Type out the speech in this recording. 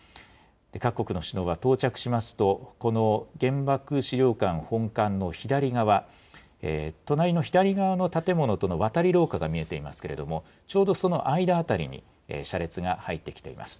各国の首脳は到着しますと、この原爆資料館本館の左側、隣の左側の建物との間の渡り廊下が見えていますけれども、ちょうどその間辺りに車列が入ってきています。